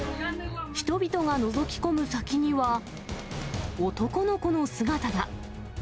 人々がのぞき込む先には、男の子の姿が。